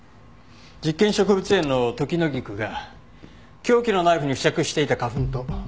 実験植物園のトキノギクが凶器のナイフに付着していた花粉と一致しました。